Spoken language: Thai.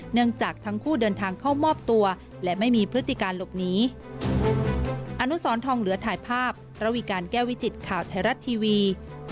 เนื่องจากทั้งคู่เดินทางเข้ามอบตัวและไม่มีพฤติการหลบหนี